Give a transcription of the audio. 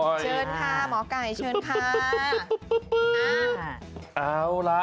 เชิญค่ะหมอไก่เชิญค่า